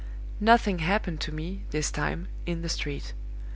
"Nothing happened to me, this time, in the street.